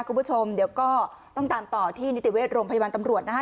คุณผู้ชมเดี๋ยวก็ต้องตามต่อที่นิติเวชโรงพยาบาลตำรวจนะฮะ